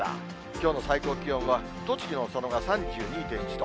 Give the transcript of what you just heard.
きょうの最高気温は、栃木の佐野が３２．１度。